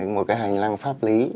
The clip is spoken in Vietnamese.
một cái hành lang pháp lý